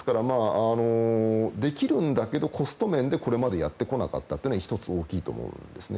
できるんだけどコスト面でこれまでやってこなかったのは１つ大きいと思うんですね。